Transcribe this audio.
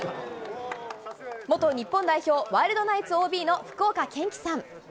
元日本代表、ワイルドナイツＯＢの福岡堅樹さん。